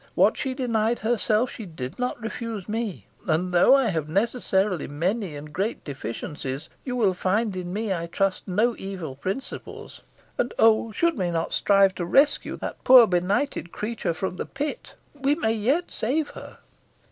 "What she denied herself, she did not refuse me; and though I have necessarily many and great deficiencies, you will find in me, I trust, no evil principles. And, oh! shall we not strive to rescue that poor benighted creature from the pit? We may yet save her."